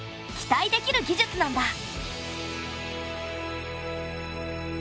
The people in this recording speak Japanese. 期待できる技術なんだ。